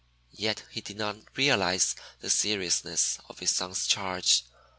Yet he did not realize the seriousness of his son's charge.